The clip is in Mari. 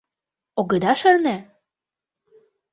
Огыда шарне?